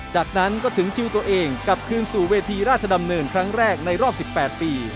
จากนั้นก็ถึงคิวตัวเองกลับคืนสู่เวทีราชดำเนินครั้งแรกในรอบ๑๘ปี